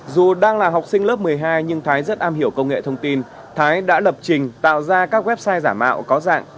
dù đang là học sinh lớp một mươi hai nhưng thái rất am hiểu công nghệ thông tin thái đã lập trình tạo ra các website giả mạo có dạng